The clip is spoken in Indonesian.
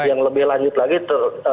yang lebih lanjut lagi